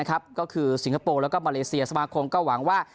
ก็คือสิงคโปร์แล้วก็มาเลเซียสมาคมก็หวังว่า